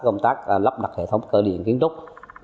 công tác lắp đặt hệ thống cửa điện kiến trúc